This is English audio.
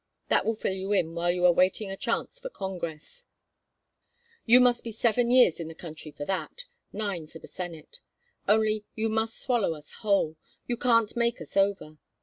That will fill in while you are waiting a chance for Congress you must be seven years in the country for that nine for the Senate. Only, you must swallow us whole. You can't make us over.